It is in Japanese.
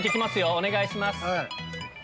お願いします。